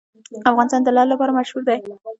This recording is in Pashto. افغانستان د لعل لپاره مشهور دی.